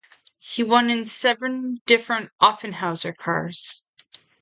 He won in seven different Offenhauser cars.